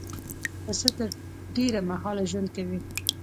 پسه تر ډېره مهاله ژوند کوي.